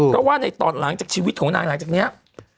ก็ว่าในตอนหลังจากชีวิตของนางหลังจากนี้